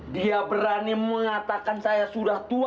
dia berani mengatakan saya sudah tua